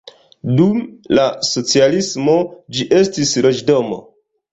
Dum la socialismo ĝi estis loĝdomo.